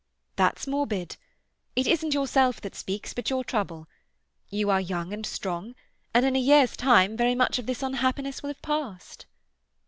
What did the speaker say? "That's morbid. It isn't yourself that speaks, but your trouble. You are young and strong, and in a year's time very much of this unhappiness will have passed."